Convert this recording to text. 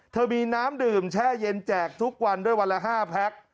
เธอมีน้ำดื่มแช่เย็นแจกทุกวันด้วยวันละ๕แพ็ค